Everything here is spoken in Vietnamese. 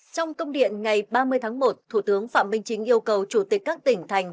trong công điện ngày ba mươi tháng một thủ tướng phạm minh chính yêu cầu chủ tịch các tỉnh thành